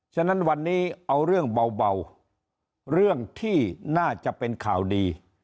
ฉะนั้นวันนี้เอาเรื่องเบาเรื่องที่น่าจะเป็นข่าวดี